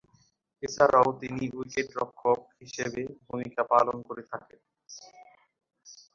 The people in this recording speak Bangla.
এছাড়াও তিনি উইকেট-রক্ষক হিসেবে ভূমিকা পালন করে থাকেন।